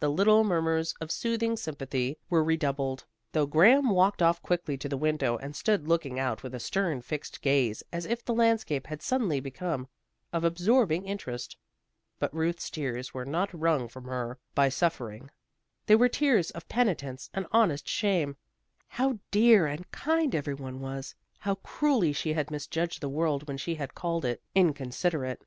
The little murmurs of soothing sympathy were redoubled, though Graham walked off quickly to the window and stood looking out with a stern, fixed gaze, as if the landscape had suddenly become of absorbing interest. But Ruth's tears were not wrung from her by suffering. They were tears of penitence and honest shame. How dear and kind every one was! How cruelly she had misjudged the world when she had called it inconsiderate.